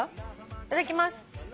いただきます。